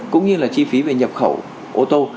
cũng như là chi phí về nhập khẩu ô tô